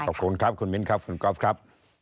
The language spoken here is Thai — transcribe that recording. ขอบคุณครับคุณมิ้นครับคุณก๊อฟครับ